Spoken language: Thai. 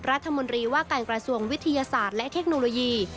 รัฐมนตรีว่าการกระทรวงวิทยาศาสตร์และเทคโนโลยี